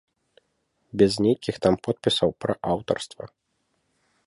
Без нейкіх там подпісаў пра аўтарства.